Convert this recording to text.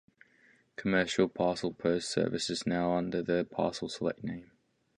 Commercial Parcel Post service is now under the "Parcel Select" name.